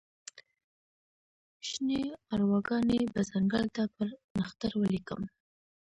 شني ارواګانې به ځنګل ته پر نښتر ولیکم